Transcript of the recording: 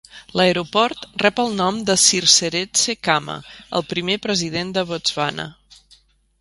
L'aeroport rep el nom de Sir Seretse Khama, el primer president del Botswana.